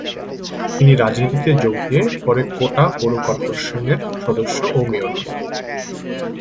তিনি রাজনীতিতে যোগ দিয়ে পরে কোটা পৌর কর্পোরেশনের সদস্য ও মেয়র হন।